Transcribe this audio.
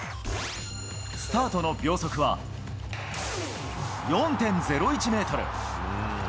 スタートの秒速は、４．０１メートル。